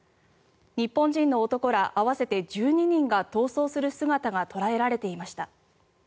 日本人の男ら合わせて１２人が逃走する姿が捉えられていました。